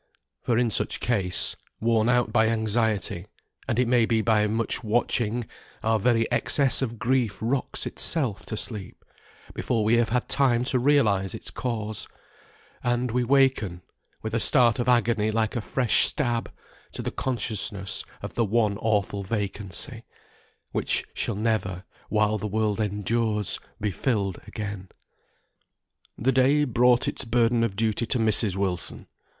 For in such case, worn out by anxiety, and it may be by much watching, our very excess of grief rocks itself to sleep, before we have had time to realise its cause; and we waken, with a start of agony like a fresh stab, to the consciousness of the one awful vacancy, which shall never, while the world endures, be filled again. The day brought its burden of duty to Mrs. Wilson.